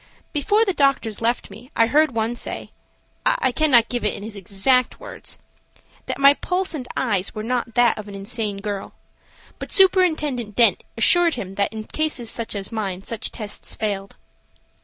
Before the doctors left me I heard one say–I cannot give it in his exact words–that my pulse and eyes were not that of an insane girl, but Superintendent Dent assured him that in cases such as mine such tests failed.